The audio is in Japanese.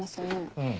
うん。